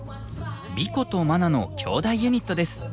ビコとマナのきょうだいユニットです。